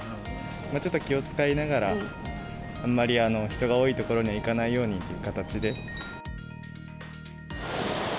ちょっと気を遣いながら、あんまり人が多い所には行かないようにという形で。